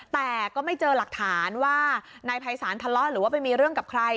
แต่ก็ไม่เจอหลักฐานว่านายภัยศาลทะเลาะหรือว่าไปมีเรื่องกับใคร